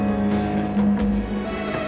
itu grat mantap